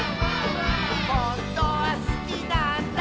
「ほんとはすきなんだ」